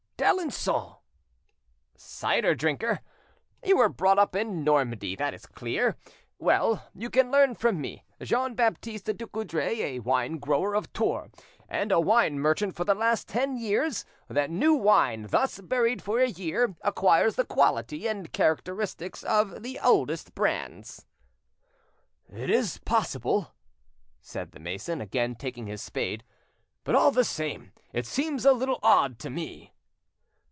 "D'Alencon." "Cider drinker! You were brought up in Normandy, that is clear. Well, you can learn from me, Jean Baptiste Ducoudray, a wine grower of Tours, and a wine merchant for the last ten years, that new wine thus buried for a year acquires the quality and characteristics of the oldest brands." "It is possible," said the mason, again taking his spade, "but all the same it seems a little odd to me."